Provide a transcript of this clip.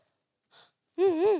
うんうん。